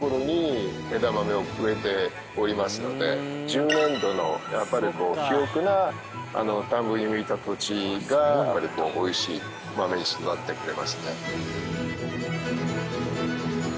重粘土のやっぱりこう肥沃な田んぼに向いた土地がやっぱり美味しい豆に育ってくれますね。